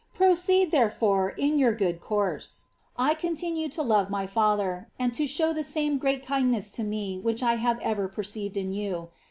Proceed, therefore, in your good course ; continue to love my father, and to show the same great kindne&s to me which I have ever perceived in you.